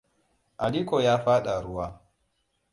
Aliko ya faɗa ruwa.